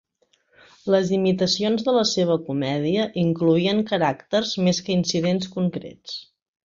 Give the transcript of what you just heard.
Les imitacions de la seva comèdia incloïen caràcters més que incidents concrets.